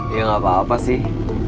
ya nggak apa apa sih